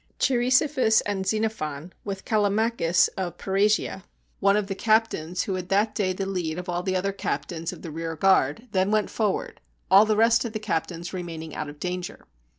Cheirisophus and Xenophon, with Callimachus of 172 THE TEN THOUSAND COME TO THE SEA Parrhasia, one of the captains, who had that day the lead of all the other captains of the rear guard, then went forward, all the rest of the captains remaining out of danger.